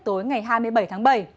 tối ngày hai mươi bảy tháng bảy